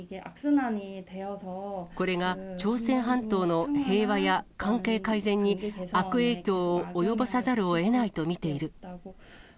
これが朝鮮半島の平和や関係改善に、悪影響を及ぼさざるをえないと見ている。